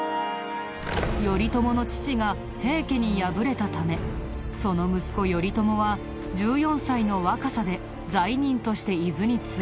頼朝の父が平家に敗れたためその息子頼朝は１４歳の若さで罪人として伊豆に追放。